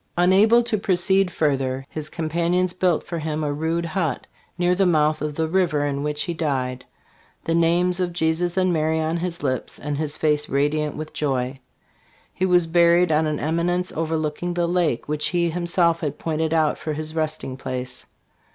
Unable to proceed further, his companions built for him a rude hut, near the mouth of the river, in which he died, with the names of Jesus and Mary on his lips and his face radiant with joy. He was buried on an eminence overlooking the lake, which he himself had pointed out for his resting place.